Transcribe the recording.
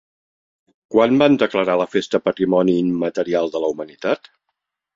Quan van declarar la festa Patrimoni Immaterial de la Humanitat?